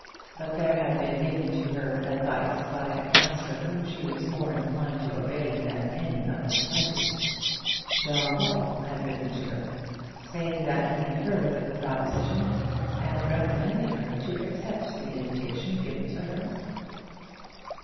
But there had been given to her advice by a counsellor whom she was more inclined to obey than any of the Mackenzies. John Ball had written to her, saying that he had heard of the proposition, and recommending her to accept the invitation given to her.